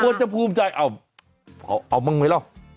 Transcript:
ว่าจะภูมิใจเอาไหมหร่ะ